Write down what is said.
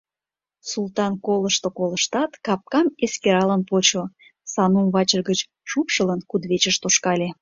Султан колышто-колыштат, капкам эскералын почо, Санум вачыж гыч шупшылын, кудывечыш тошкале.